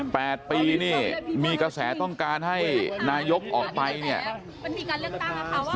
แปดปีนี่มีกระแสต้องการให้นายกออกไปเนี่ยมันมีการเลือกตั้งนะคะว่า